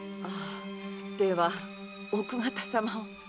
では奥方様を。